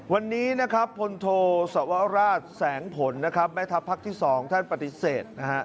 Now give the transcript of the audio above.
วันนี้พลโทสวรรษแสงผลแม่ทัพพักที่๒ท่านปฏิเสธ